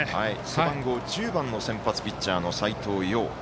背番号１０番の先発ピッチャーの斎藤蓉。